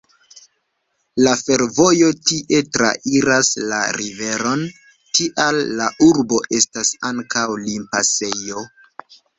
La fervojo tie trairas la riveron, tial la urbo estas ankaŭ limpasejo.